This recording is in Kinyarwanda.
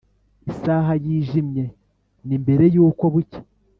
isaha yijimye ni mbere yuko bucya